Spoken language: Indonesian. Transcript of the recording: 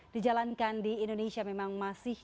dijalankan di indonesia memang masih